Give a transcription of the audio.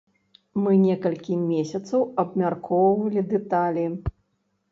Мы некалькі месяцаў абмяркоўвалі дэталі.